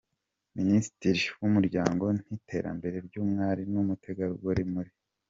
Ministre w’umuryango n’iterambere ry’umwari n’umutegarugori muri